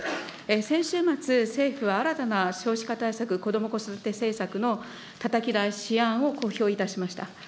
先週末、政府は新たな少子化対策、子ども・子育て政策のたたき台、試案を公表いたしました。